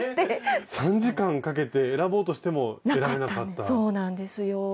３時間かけて選ぼうとしても？なかったそうなんですよ。